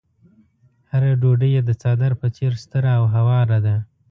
هره ډوډۍ يې د څادر په څېر ستره او هواره ده.